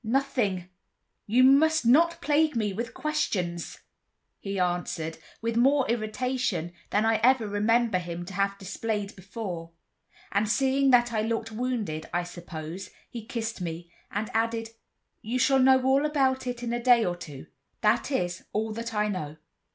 "Nothing; you must not plague me with questions," he answered, with more irritation than I ever remember him to have displayed before; and seeing that I looked wounded, I suppose, he kissed me, and added, "You shall know all about it in a day or two; that is, all that I know.